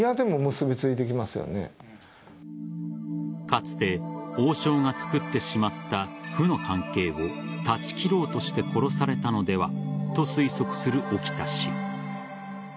かつて王将が作ってしまった負の関係を断ち切ろうとして殺されたのではと推測する沖田氏。